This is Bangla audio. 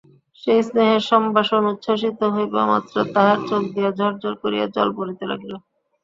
সেই স্নেহের সম্ভাষণ উচ্ছ্বসিত হইবামাত্র তাহার চোখ দিয়া ঝর ঝর করিয়া জল পড়িতে লাগিল।